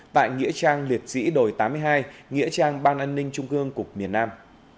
tại nghĩa trang liệt sĩ đồi tám mươi hai nghĩa trang ban an ninh trung ương cục miền nam